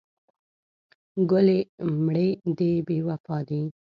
ګلې مړې دې بې وفا دي.